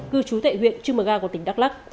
cư trú tại huyện trư mờ ga của tỉnh đắk lắc